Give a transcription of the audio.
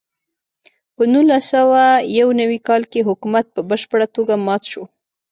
په نولس سوه یو نوي کال کې حکومت په بشپړه توګه مات شو.